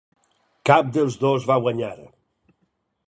Cap dels dos va guanyar.